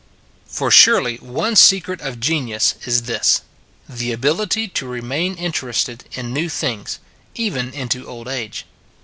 For surely one secret of genius is this the ability to remain interested in new things, even into old age.